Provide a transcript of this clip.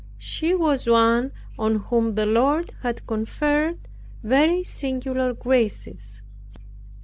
She was one on whom the Lord had conferred very singular graces.